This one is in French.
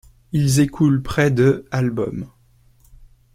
Ils écoulent près de albums.